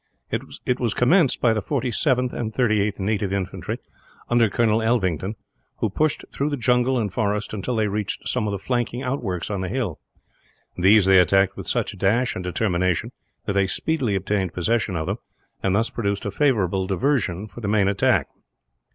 It was commenced by the 47th and 38th Native Infantry, under Colonel Elvington; who pushed through the jungle and forest, until they reached some of the flanking outworks on the hill. These they attacked with such dash and determination that they speedily obtained possession of them, and thus produced a favourable diversion for the main attack.